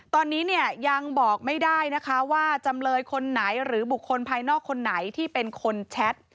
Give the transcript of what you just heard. ตอนนี้เนี่ยยังบอกไม่ได้นะคะว่าจำเลยคนไหนหรือบุคคลภายนอกคนไหนที่เป็นคนแชท